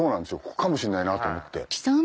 ここかもしれないなと思って。